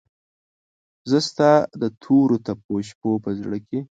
زه ستا دتوروتپوشپوپه زړه کې